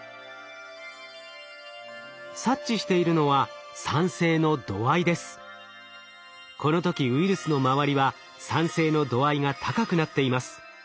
察知しているのはこの時ウイルスの周りは酸性の度合いが高くなっています。